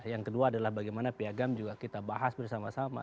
yang kedua adalah bagaimana piagam juga kita bahas bersama sama